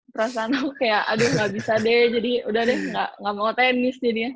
perasaan lo kayak aduh nggak bisa deh jadi udah deh nggak mau tenis